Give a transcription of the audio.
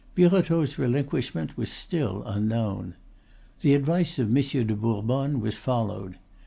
Birotteau's relinquishment was still unknown. The advice of Monsieur de Bourbonne was followed.